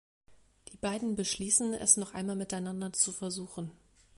Die beiden beschließen, es noch einmal miteinander zu versuchen.